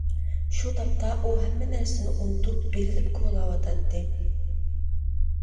شۇ تاپتا ئۇ ھەممە نەرسىنى ئۇنتۇپ بېرىلىپ كولاۋاتاتتى.